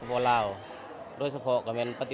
đây là hoạt động rất nghĩ tình